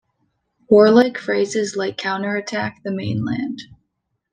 Warlike phrases like Counterattack the mainland!